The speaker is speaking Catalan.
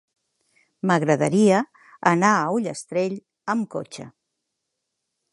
M'agradaria anar a Ullastrell amb cotxe.